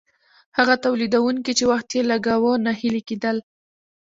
هغه تولیدونکي چې وخت یې لګاوه ناهیلي کیدل.